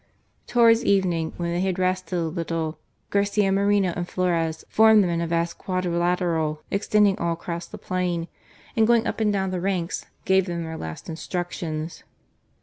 Towards evening, when they had rested a little, Garcia Moreno and Flores formed them in a vast quadrilateral extending all across the plain, and going up and down the ranks gave them their last instructions.